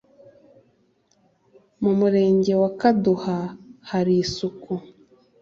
Mu murenge wa Kaduha hari isuku